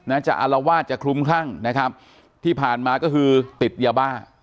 จะอารวาสจะคลุมคลั่งนะครับที่ผ่านมาก็คือติดยาบ้า